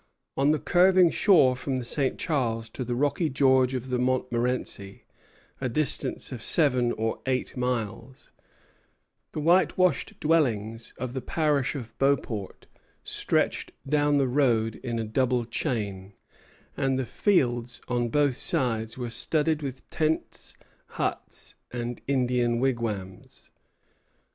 On the curving shore from the St. Charles to the rocky gorge of the Montmorenci, a distance of seven or eight miles, the whitewashed dwellings of the parish of Beauport stretched down the road in a double chain, and the fields on both sides were studded with tents, huts, and Indian wigwams.